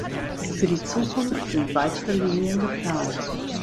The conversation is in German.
Für die Zukunft sind weitere Linien geplant.